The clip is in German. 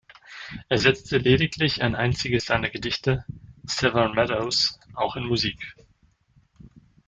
Er setzte lediglich ein einziges seiner Gedichte, "Severn Meadows", auch in Musik.